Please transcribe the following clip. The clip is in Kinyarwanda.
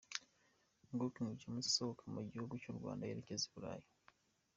Nguwo King James asohoka mu gihugu cy'u Rwanda yerekeza i Burayi.